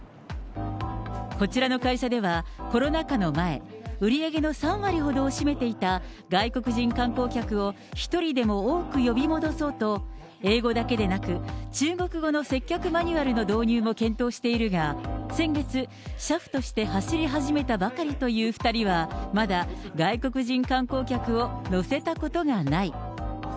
こちらの会社では、コロナ禍の前、売り上げの３割ほどを占めていた外国人観光客を一人でも多く呼び戻そうと、英語だけでなく、中国語の接客マニュアルの導入も検討しているが、先月、車夫として走り始めたばかりという２人はまだ外国人観光客を乗せたことがない。